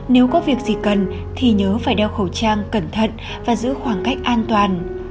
nếu có việc gì cần thì nhớ phải đeo khẩu trang cẩn thận và giữ khoảng cách an toàn